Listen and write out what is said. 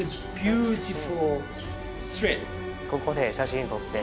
ここで写真撮って。